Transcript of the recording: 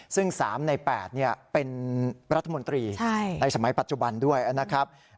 ซึ่ง๓ใน๘เป็นรัฐมนตรีในสมัยปัจจุบันด้วยนะครับ